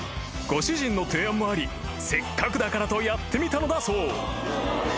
［ご主人の提案もありせっかくだからとやってみたのだそう］